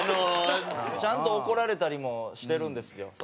ちゃんと怒られたりもしてるんですよ。